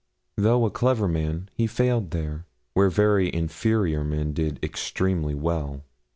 Though a clever man, he failed there, where very inferior men did extremely well.